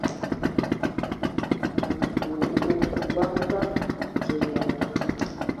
O ku mbǝg mbǝg ! Zulǝyan.